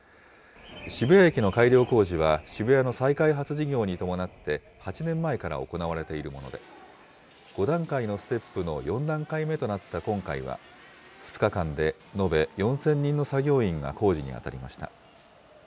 渋谷駅の改良工事は、渋谷の再開発事業に伴って８年前から行われているもので、５段階のステップの４段階目となった今回は、２日間で延べ４０００人の作業員が工事に当たりました。